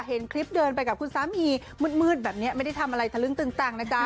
เห็นคลิปเดินไปกับคุณสามีมืดแบบนี้ไม่ได้ทำอะไรทะลึงตึงตังนะจ๊ะ